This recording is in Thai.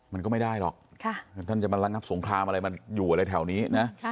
มันก็ไม่ได้หรอกท่านจะมาระงับสงครามอะไรมันอยู่อะไรแถวนี้นะ